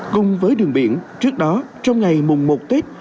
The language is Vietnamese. cùng với đường biển trước đó trong ngày mùng một tết